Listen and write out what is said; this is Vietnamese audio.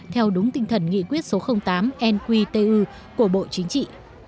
theo đúng tinh thần nghị quyết số tám nqtu của bộ chính trị